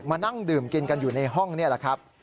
นั่งดื่มกินกันอยู่ในห้องนี่แหละครับ